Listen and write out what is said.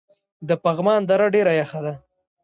د پغمان دره ډیره یخه ده